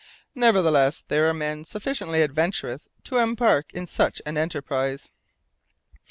"Nevertheless there are men sufficiently adventurous to embark in such an enterprise."